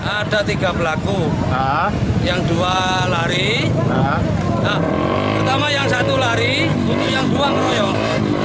ada tiga pelaku yang dua lari pertama yang satu lari itu yang dua ngeroyok